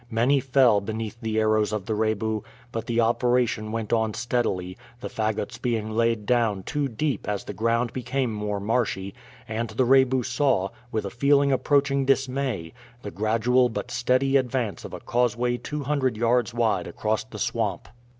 Many fell beneath the arrows of the Rebu, but the operation went on steadily, the fagots being laid down two deep as the ground became more marshy, and the Rebu saw, with a feeling approaching dismay, the gradual but steady advance of a causeway two hundred yards wide across the swamp.